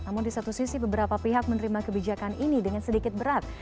namun di satu sisi beberapa pihak menerima kebijakan ini dengan sedikit berat